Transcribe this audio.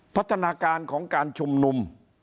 พัฒนาการของการชุมนุม